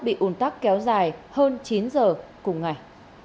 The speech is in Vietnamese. bị ùn tắc kéo dài hơn chín giờ cùng ngày